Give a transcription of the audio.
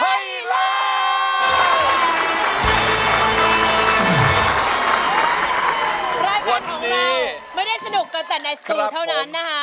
รายการของเราไม่ได้สนุกกันแต่ในสตูเท่านั้นนะคะ